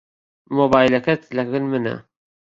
مۆبایلەکەت لەکن منە.